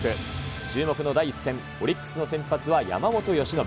注目の第１戦、オリックスの先発は山本由伸。